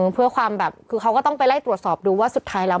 เพื่อความแบบคือเขาก็ต้องไปไล่ตรวจสอบดูว่าสุดท้ายแล้ว